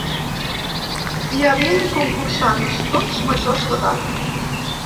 Hi ha vint concursants, tots majors d’edat.